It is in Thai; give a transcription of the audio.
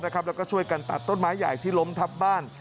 แล้วก็ช่วยกันตัดต้นไม้ใหญ่ที่ล้มทับบ้าน